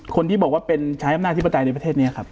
คนที่บอกว่าเป็นใช้อำนาจธิปไตยในประเทศนี้ครับ